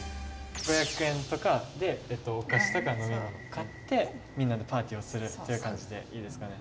５００円とかでお菓子とか飲み物買ってみんなでパーティーをするっていう感じでいいですかね？